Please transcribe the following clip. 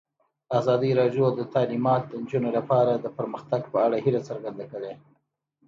ازادي راډیو د تعلیمات د نجونو لپاره د پرمختګ په اړه هیله څرګنده کړې.